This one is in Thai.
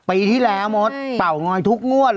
ปีที่แล้วมฆ์ทเต่อง่อยทุกนรรยาชนิมวฑ์